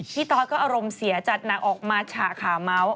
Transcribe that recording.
ตอสก็อารมณ์เสียจัดหนักออกมาฉะขาเมาส์